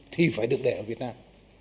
thì phải được để ở việt nam